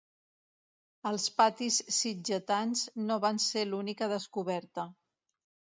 Els patis sitgetans no van ser l'única descoberta.